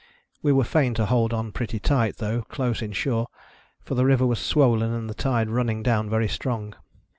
We were fain to hold on pretty tight, though close in shore, for the river was swollen and the tide running down very strong.